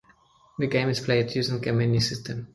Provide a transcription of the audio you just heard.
The game is played using a menu system.